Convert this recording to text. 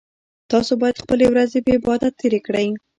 تاسو باید خپلې ورځې په عبادت تیرې کړئ